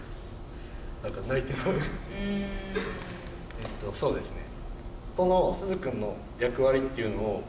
えっとそうですね